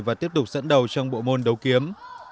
và tiếp tục dẫn đầu trong bộ môn đấu kiếm